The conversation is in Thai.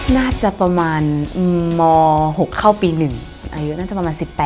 น่าจะประมาณม๖เข้าปี๑อายุน่าจะประมาณ๑๘